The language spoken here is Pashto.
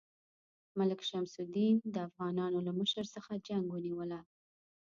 ملک شمس الدین د افغانانو له مشر څخه جنګ ونیوله.